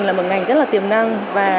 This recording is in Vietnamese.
là một ngành rất tiềm năng và